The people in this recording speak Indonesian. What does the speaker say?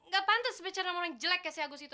gak pantas bicara sama orang jelek kayak si agus itu